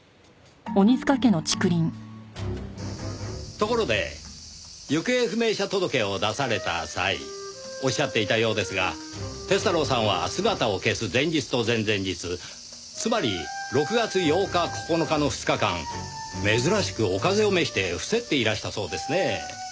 ところで行方不明者届を出された際おっしゃっていたようですが鐵太郎さんは姿を消す前日と前々日つまり６月８日９日の２日間珍しくお風邪を召して臥せっていらしたそうですねぇ。